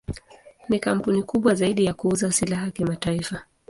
Ni kampuni kubwa zaidi ya kuuza silaha kimataifa.